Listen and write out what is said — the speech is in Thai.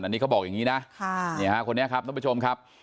อันนี้เขาบอกอย่างนี้นะคนนี้ครับท่านผู้ชมครับ